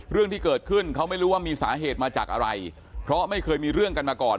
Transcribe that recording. เรื่องที่เกิดขึ้นเขาไม่รู้ว่ามีสาเหตุมาจากอะไรเพราะไม่เคยมีเรื่องกันมาก่อน